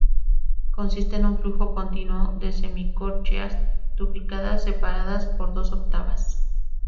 Consiste en un flujo continuo de semicorcheas duplicadas separadas por dos octavas.